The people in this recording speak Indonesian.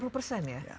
delapan puluh persen ya